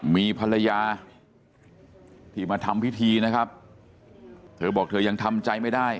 มีภรรยาที่มาทำพิธีนะครับเธอบอกเธอยังทำใจไม่ได้